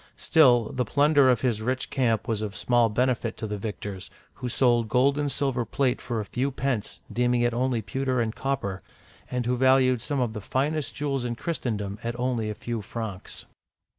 Still, the plunder of his rich camp was of small benefit to the victors, who sold gold and silver plate for a few pence, — deeming it only pewter and copper, — and who valued some of the finest jewels in Christendom at only a few francs.